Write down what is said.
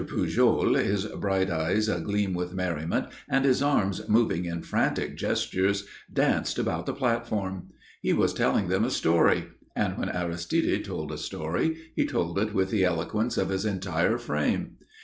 Pujol, his bright eyes agleam with merriment and his arms moving in frantic gestures, danced about the platform. He was telling them a story and when Aristide told a story, he told it with the eloquence of his entire frame.